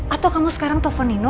atau kamu sekarang telepon nino